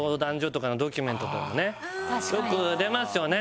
よく出ますよね。